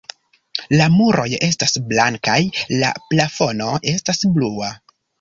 La muroj estas blankaj, la plafono estas blua.